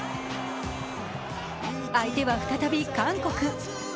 相手は再び韓国。